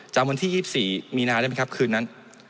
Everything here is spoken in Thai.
จำวันที่๒๔มีนาได้ไหมครับคืนนั้น